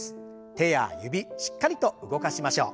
手や指しっかりと動かしましょう。